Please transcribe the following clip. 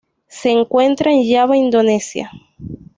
Se encuentra en Java Indonesia.